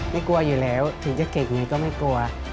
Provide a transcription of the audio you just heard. กลัวอยู่แล้วถึงจะเก่งอย่างนี้ก็ไม่กลัว